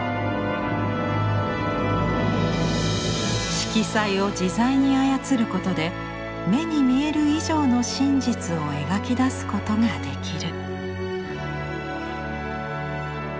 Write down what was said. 色彩を自在に操ることで目に見える以上の真実を描き出すことができる。